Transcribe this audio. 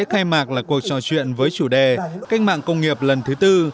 sau lễ khai mạc là cuộc trò chuyện với chủ đề cách mạng công nghiệp lần thứ tư